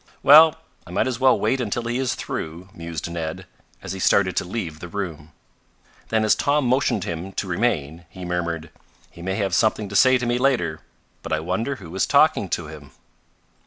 "Well, I might as well wait until he is through," mused Ned, as he started to leave the room. Then as Tom motioned to him to remain, he murmured: "He may have something to say to me later. But I wonder who is talking to him."